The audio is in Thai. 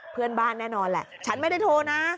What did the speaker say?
เพื่อนบ้านแน่นอนแหละฉันไม่ได้โทรนะ